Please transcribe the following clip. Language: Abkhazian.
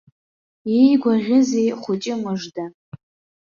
Иигәаӷьызеи хәыҷы мыжда!